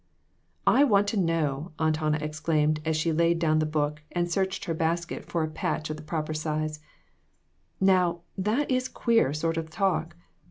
"I want to know," Aunt Hannah exclaimed, as she laid down the book and searched her basket for a patch of the proper size ;" now, that is queer sort of talk.